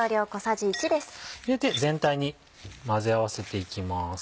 入れて全体に混ぜ合わせていきます。